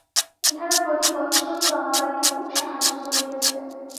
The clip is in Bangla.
ইহারা প্রতি বৎসর রমাবাইকে খুব সাহায্য করিতেছে।